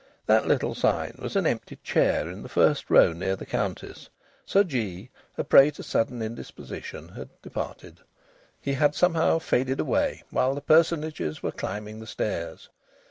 That little sign was an empty chair in the first row near the Countess. Sir Jee, a prey to a sudden indisposition, had departed. He had somehow faded away, while the personages were climbing the stairs.